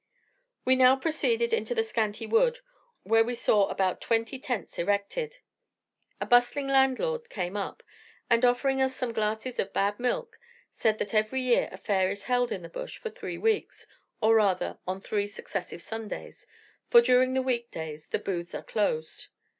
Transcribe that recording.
We now proceeded into the scanty wood, where we saw about twenty tents erected. A bustling landlord came up, and offering us some glasses of bad milk, said that every year a fair is held in the Bush for three weeks, or rather, on three successive Sundays, for during the week days the booths are closed.